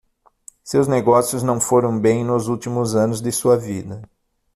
Seus negócios não foram bem nos últimos anos de sua vida.